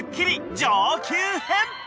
上級編］